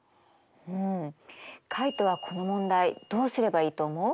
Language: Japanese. うんカイトはこの問題どうすればいいと思う？